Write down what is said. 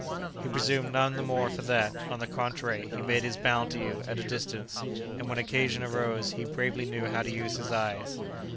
He presumed none the more for that; on the contrary, he made his bow to you, at a distance, and when occasion arose he bravely knew how to use his eyes.